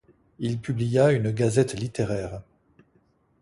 Il publia une gazette littéraire.